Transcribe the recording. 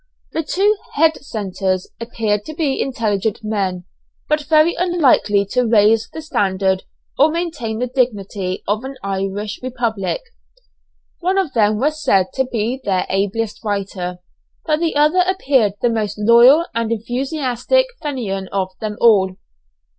The two head centres appeared to be intelligent men, but very unlikely to raise the standard, or maintain the dignity of an Irish Republic. One of them was said to be their ablest writer, but the other appeared the most loyal and enthusiastic Fenian of them all.